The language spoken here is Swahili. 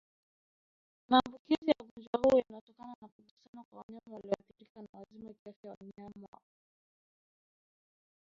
Maambukizi ya ugonjwa huu yanatokana na kugusana kwa wanyama walioathirika na wazima kiafya Wanyama